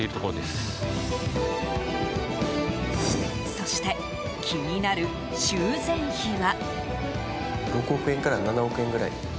そして、気になる修繕費は？